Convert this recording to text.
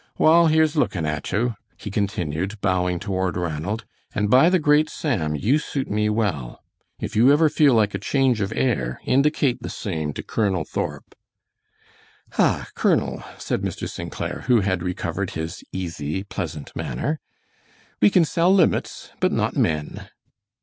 "Wall, here's lookin' at you," he continued, bowing toward Ranald; "and by the great Sam, you suit me well! If you ever feel like a change of air, indicate the same to Colonel Thorp." "Ah, Colonel," said Mr. St. Clair, who had recovered his easy, pleasant manner, "we can sell limits but not men."